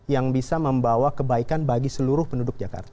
yang bisa membawa kebaikan bagi seluruh penduduk jakarta